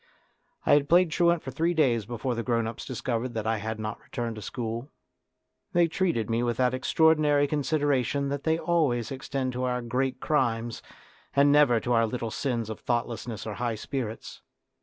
I had played truant for three days before the grown ups discovered that I had not returned to school. They treated me with that extraordinary consideration that they always extended to our great crimes and never to our little sins of thoughtlessness or high spirits.